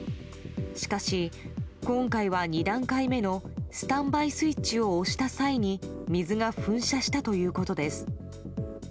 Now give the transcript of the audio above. しかし、今回は２段階目のスタンバイスイッチを押した際に水が噴射したということです。